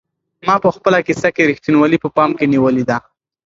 ما په خپله کيسه کې رښتینولي په پام کې نیولې ده.